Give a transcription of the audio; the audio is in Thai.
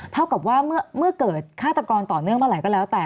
เท่ากับว่าเมื่อเกิดฆาตกรต่อเนื่องเมื่อไหร่ก็แล้วแต่